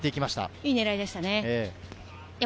いい狙いでした。